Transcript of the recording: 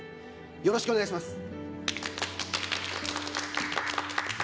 よろしくお願いします